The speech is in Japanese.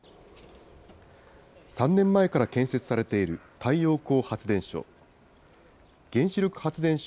３年前から建設されている太陽光発電所。